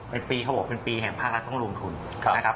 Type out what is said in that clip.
เป็นปีเขาบอกเป็นปีแห่งภาครัฐต้องลงทุนนะครับ